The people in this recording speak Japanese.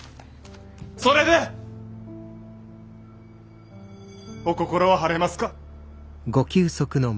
それでお心は晴れますか？